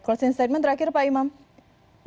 closing statement terakhir pak imam